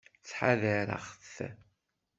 Ttḥadareɣ-t.